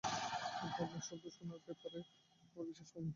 কিন্তু, আপনার শব্দ শোনার ব্যাপারটা আমার বিশ্বাস হয়নি!